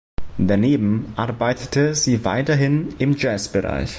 Daneben arbeitete sie weiterhin im Jazzbereich.